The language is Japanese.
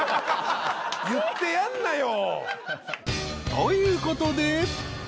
［ということで］